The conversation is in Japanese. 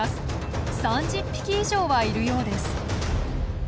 ３０匹以上はいるようです。